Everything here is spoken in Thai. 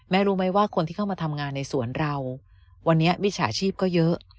รู้ไหมว่าคนที่เข้ามาทำงานในสวนเราวันนี้มิจฉาชีพก็เยอะ